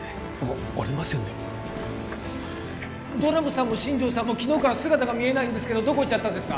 ありませんねドラムさんも新庄さんも昨日から姿が見えないんですけどどこ行っちゃったんですか？